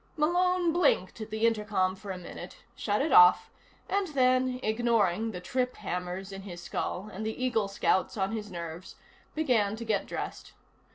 Malone blinked at the intercom for a minute, shut it off and then, ignoring the trip hammers in his skull and the Eagle Scouts on his nerves, began to get dressed.